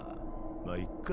まっいっか。